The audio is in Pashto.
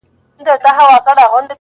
د لېوه ستونی فارغ سو له هډوکي!.